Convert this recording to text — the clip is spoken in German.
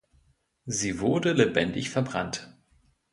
Sie wurde lebendig verbrannt.